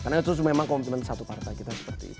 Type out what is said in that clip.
karena itu memang komitmen satu partai kita